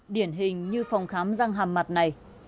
điển hình như phòng khám răng hàm mặt này